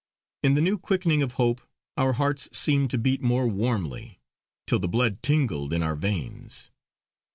In the new quickening of hope, our hearts seemed to beat more warmly, till the blood tingled in our veins.